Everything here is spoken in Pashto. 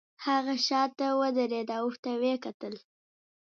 هغه شاته ودریده او ورته یې وکتل